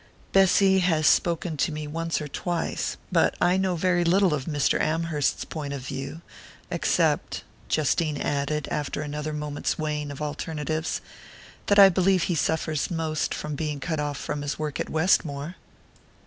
"Bessy has spoken to me once or twice but I know very little of Mr. Amherst's point of view; except," Justine added, after another moment's weighing of alternatives, "that I believe he suffers most from being cut off from his work at Westmore."